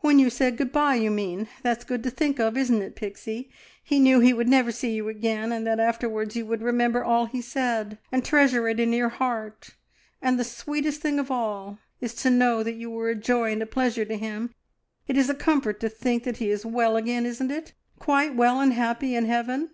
"When you said `Good bye,' you mean. That's good to think of, isn't it, Pixie? He knew he would never see you again, and that afterwards you would remember all he said, and treasure it in your heart, and the sweetest thing of all is to know that you were a joy and pleasure to him. It is a comfort to think that he is well again, isn't it? Quite well and happy in heaven!"